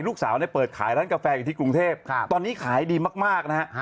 ลูกสาวเนี่ยเปิดขายร้านกาแฟอยู่ที่กรุงเทพตอนนี้ขายดีมากนะฮะ